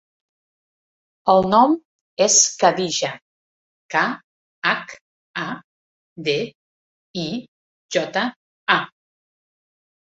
El nom és Khadija: ca, hac, a, de, i, jota, a.